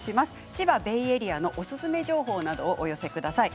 千葉ベイエリアのおすすめ情報などをお寄せください。